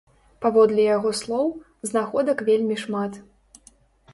Паводле яго слоў, знаходак вельмі шмат.